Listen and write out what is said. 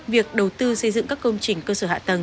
việc đầu tư xây dựng các công trình cơ sở hạ tầng